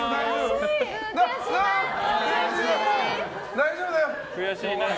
大丈夫だよ。